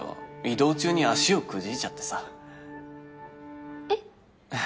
移動中に足をくじいちゃってさえっ？